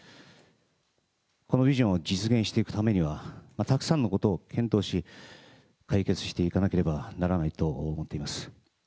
このビジョンを実現していくためには、たくさんのことを検討し、解決していかなければならないと思っています。